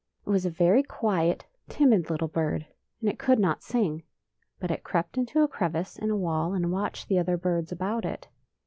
It was a very quiet, timid little bird, and it could not sing. But it crept into a crevice in a wall and watched the other birds about it.